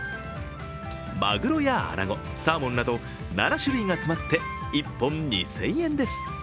まぐろやあなご、サーモンなど７種類が詰まって１本２０００円です。